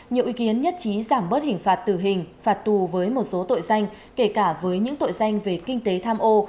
nhiều ý kiến nhất trí giảm bớt hình phạt tử hình phạt tù với một số tội danh kể cả với những tội danh về kinh tế tham ô